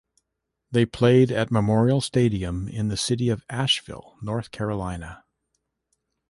They played at Memorial Stadium in the city of Asheville, North Carolina.